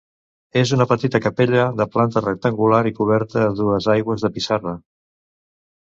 És una petita capella de planta rectangular i coberta a dues aigües de pissarra.